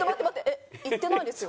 えっ行ってないですよ？